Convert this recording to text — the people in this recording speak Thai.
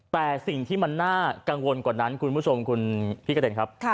แต่สิ่งที่มันน่ากังวลกว่านั้นคุณผู้ชมคุณพี่กระเด็นครับ